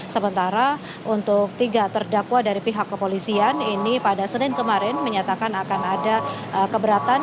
sementara untuk tiga terdakwa dari pihak kepolisian ini pada senin kemarin menyatakan akan ada keberatan